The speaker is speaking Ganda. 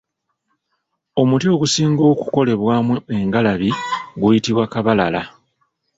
Omuti ogusinga okukolebwamu engalabi guyitibwa Kabalara.